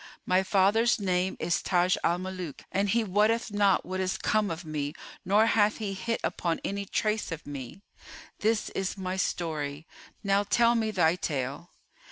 My father's name is Táj al Mulúk, and he wotteth not what is come of me nor hath he hit upon any trace of me. This is my story: now tell me thy tale."